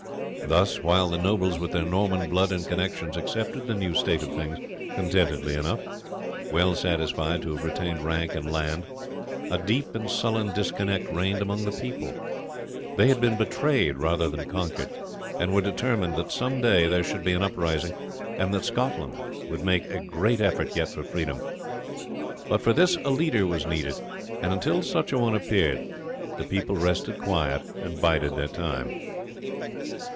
Thus, while the nobles with their Norman blood and connections accepted the new state of things contentedly enough, well satisfied to have retained rank and land, a deep and sullen discontent reigned among the people; they had been betrayed rather than conquered, and were determined that some day there should be an uprising, and that Scotland would make a great effort yet for freedom. But for this a leader was needed, and until such a one appeared the people rested quiet and bided their time.